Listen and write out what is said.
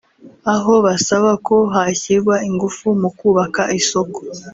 aho basaba ko hashyirwa ingufu mu kubaka isoko